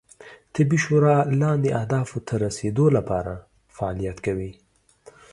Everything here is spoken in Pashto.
طبي شورا لاندې اهدافو ته رسیدو لپاره فعالیت کوي